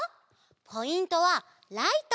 ポイントはライト！